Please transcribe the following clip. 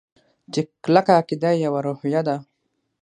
چې کلکه عقیده يوه روحیه ده.